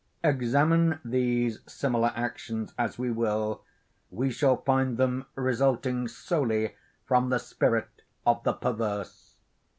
Examine these similar actions as we will, we shall find them resulting solely from the spirit of the Perverse.